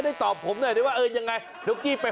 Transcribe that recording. ไปไปไปไป